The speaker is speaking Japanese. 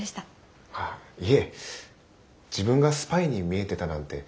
いえ自分がスパイに見えてたなんて